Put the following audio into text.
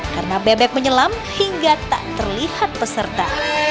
karena bebek menyelam hingga tak terlihat peserta